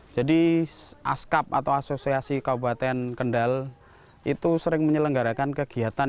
jadi askap atau asosiasi kabupaten kendal itu sering menyelenggarakan kegiatan